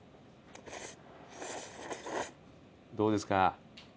どうですか？